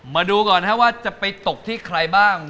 มาดูก่อนนะครับว่าจะไปตกที่ใครบ้าง